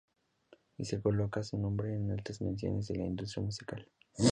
Y se coloca su nombre en las altas menciones de la industria musical.